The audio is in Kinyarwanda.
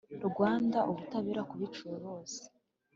rwanda: ubutabera ku biciwe bose